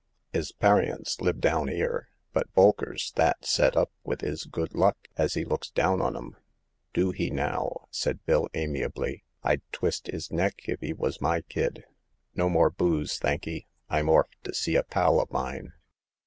'Is parients live down ere, but Bolker's that set up with 'is good luck as *e looks down on 'em/* ^'' Do he now !" said Bill, amiably. '* Fd twist 'is neck if he wos my kid. No more booze, thankee. Fm orf t' see a pal o' mine."